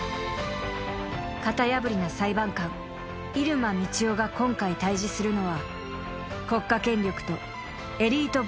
［型破りな裁判官入間みちおが今回対峙するのは国家権力とエリート防衛大臣］